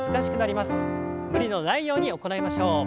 無理のないように行いましょう。